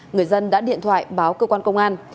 người dân đã điện thoại báo cơ quan công an